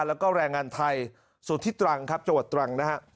แล้วก็แรงงานไทยส่วนที่ตรังครับจังหวัดตรังนะครับ